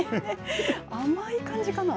甘い感じかな？